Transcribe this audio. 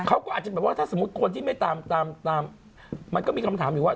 เขาก็อาจจะแบบว่าถ้าสมมุติคนที่ไม่ตามตามมันก็มีคำถามอยู่ว่า